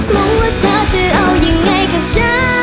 มองว่าเธอจะเอายังไงกับฉัน